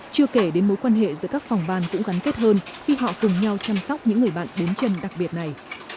chưa kể đến mối quan hệ giữa các phòng văn cũng gắn kết hơn khi họ từng nhau chăm sóc những người bạn đếm chân đặc biệt này